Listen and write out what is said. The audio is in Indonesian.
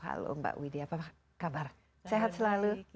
halo mbak widhi apa kabar sehat selalu